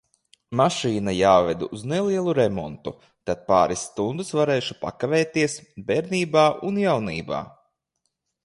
Mašīna jāved uz nelielu remontu, tad pāris stundas varēšu pakavēties bērnībā un jaunībā.